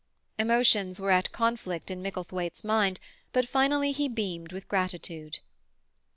Emotions were at conflict in Micklethwaite's mind, but finally he beamed with gratitude.